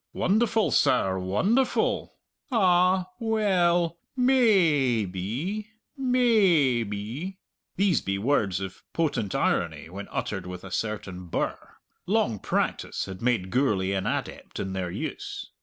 "Wonderful, serr, wonderful;" "Ah, well, may ay be, may ay be" these be words of potent irony when uttered with a certain birr. Long practice had made Gourlay an adept in their use.